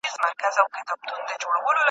د ایرو څلی باید وران نه سي.